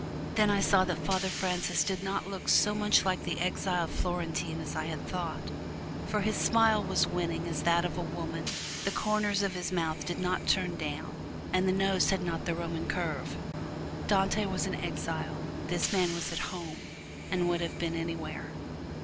Then I saw that Father Francis did not look so much like the exiled Florentine as I had thought, for his smile was winning as that of a woman, the corners of his mouth did not turn down, and the nose had not the Roman curve. Dante was an exile: this man was at home and would have been, anywhere.